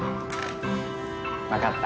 わかった。